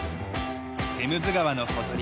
テムズ川のほとり。